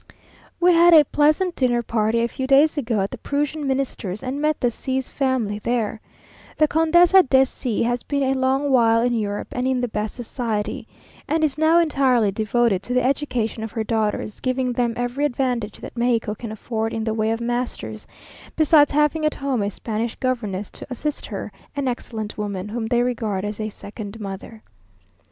We had a pleasant dinner party a few days ago at the Prussian Minister's, and met the C s family there. The Condesa de C has been a long while in Europe, and in the best society, and is now entirely devoted to the education of her daughters, giving them every advantage that Mexico can afford in the way of masters, besides having at home a Spanish governess to assist her, an excellent woman, whom they regard as a second mother.